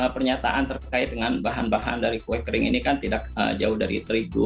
pernyataan terkait dengan bahan bahan dari kue kering ini kan tidak jauh dari terigu